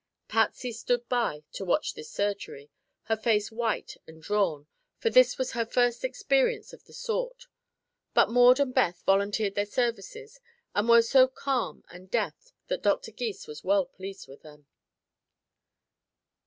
Patsy stood by to watch this surgery, her face white and drawn, for this was her first experience of the sort; but Maud and Beth volunteered their services and were so calm and deft that Doctor Gys was well pleased with them.